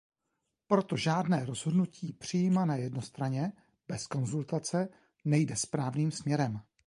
Proto žádné rozhodnutí přijímané jednostranně, bez konzultace, nejde správným směrem.